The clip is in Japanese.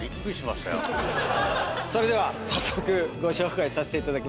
それでは早速ご紹介させていただきます。